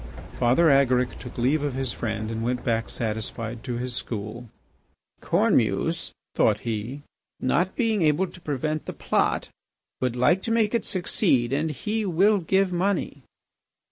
Father Agaric took leave of his friend and went back satisfied to his school. "Cornemuse," thought he, "not being able to prevent the plot, would like to make it succeed and he will give money."